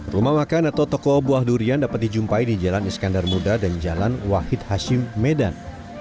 rumah makan atau toko buah durian dapat dijumpai di jalan iskandar muda dan jalan wahid hashim medan